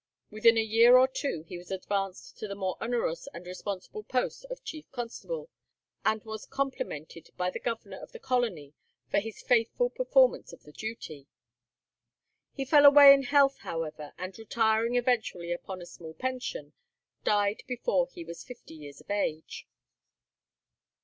Within a year or two he was advanced to the more onerous and responsible post of chief constable, and was complimented by the governor of the colony for his faithful performance of the duty. He fell away in health, however, and retiring eventually upon a small pension, died before he was fifty years of age.